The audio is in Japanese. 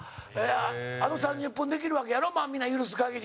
あと３０分できるわけやろみんな、許す限り。